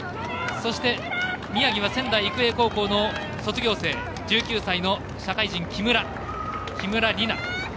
そして、宮城は仙台育英高校の卒業生１９歳の社会人木村梨七。